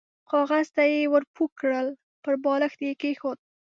کاغذ ته يې ور پوه کړل، پر بالښت يې کېښود.